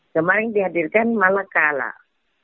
kemarin dihadirkan malah kalah